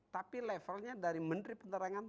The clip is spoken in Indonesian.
tapi levelnya dari menteri penerangan